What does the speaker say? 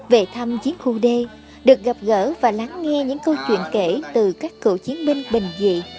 về thăm chiến khu d được gặp gỡ và lắng nghe những câu chuyện kể từ các cựu chiến binh bình dị